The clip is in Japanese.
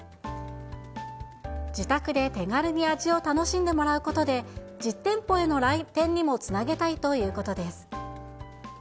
自宅で手軽に味を楽しんでもらうことで、実店舗への来店にもつなげたいということです。